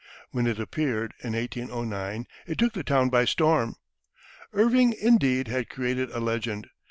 When it appeared, in 1809, it took the town by storm. Irving, indeed, had created a legend.